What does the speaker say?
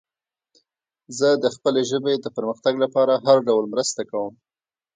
زه د خپلې ژبې د پرمختګ لپاره هر ډول مرسته کوم.